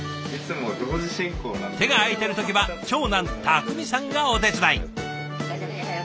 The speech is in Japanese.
手が空いてる時は長男匠さんがお手伝い。